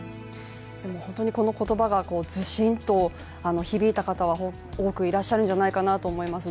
この言葉がずしんと響いた方は多くいらっしゃるんじゃないかなと思います。